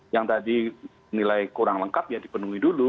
yang tadi nilai kurang lengkap ya dipenuhi dulu